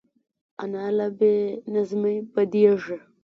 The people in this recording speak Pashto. انا له بې نظمۍ بدېږي